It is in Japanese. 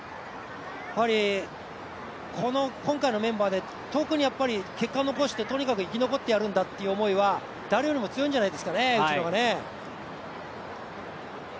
やっぱり、今回のメンバーで特に結果を残して、とにかく生き残ってやるんだという思いは誰よりも強いんじゃないですかね、内野が。